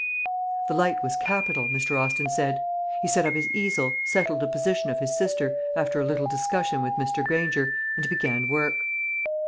The light was capital, Mr. Austin said. He set up his easel, settled the position of his sister, after a little discussion with Mr. Granger, and began work.